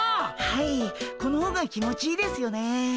はいこの方が気持ちいいですよね。